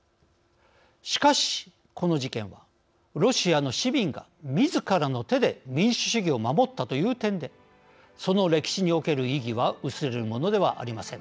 しかし、この事件はロシアの市民がみずからの手で民主主義を守ったという点でその歴史における意義は薄れるものではありません。